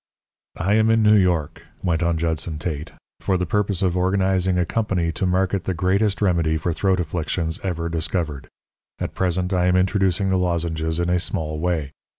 "I am in New York," went on Judson Tate, "for the purpose of organizing a company to market the greatest remedy for throat affections ever discovered. At present I am introducing the lozenges in a small way.